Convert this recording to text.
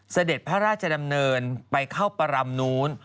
เสด็จพระราชดำเนินไปเข้าประรำนู้น